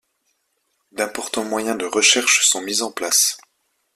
D'importants moyens de recherches sont mis en place.